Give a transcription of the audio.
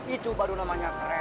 itu baru namanya keren